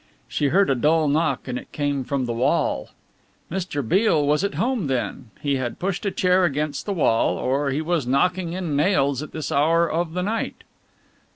She heard a dull knock, and it came from the wall. Mr. Beale was at home then, he had pushed a chair against the wall, or he was knocking in nails at this hour of the night.